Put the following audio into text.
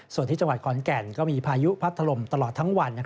ส่วนที่จังหวัดขอนแก่นก็มีพายุพัดถล่มตลอดทั้งวัน